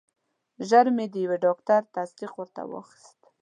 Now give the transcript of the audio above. ژر مې د یو ډاکټر تصدیق ورته واخیست.